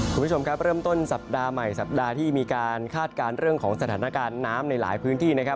คุณผู้ชมครับเริ่มต้นสัปดาห์ใหม่สัปดาห์ที่มีการคาดการณ์เรื่องของสถานการณ์น้ำในหลายพื้นที่นะครับ